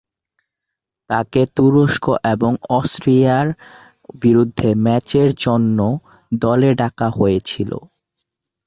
তাকে তুরস্ক এবং অস্ট্রিয়ার বিরুদ্ধে ম্যাচের জন্য দলে ডাকা হয়েছিল।